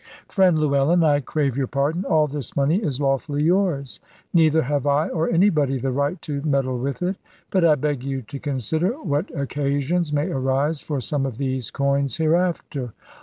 "Friend Llewellyn, I crave your pardon. All this money is lawfully yours; neither have I, or anybody, the right to meddle with it. But I beg you to consider what occasions may arise for some of these coins hereafter.